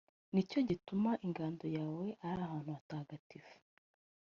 ni cyo gituma ingando yawe ari ahantu hatagatifu;